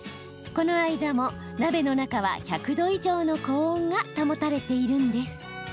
この間も鍋の中は１００度以上の高温が保たれているんです。